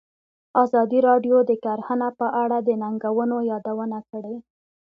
ازادي راډیو د کرهنه په اړه د ننګونو یادونه کړې.